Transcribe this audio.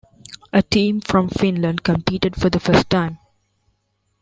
A team from Finland competed for the first time.